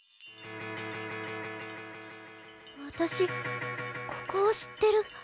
私ここを知ってる。